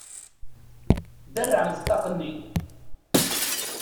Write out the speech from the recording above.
Derrɛemt ṭṭaq-nni!